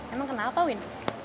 emang kenal pak win